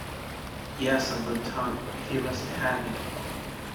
Yes, Uncle Tom, if you must have it.